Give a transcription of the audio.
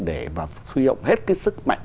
để mà thuy động hết cái sức mạnh